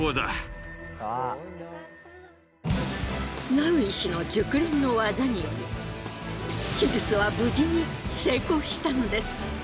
ナウ医師の熟練の技により手術は無事に成功したのです。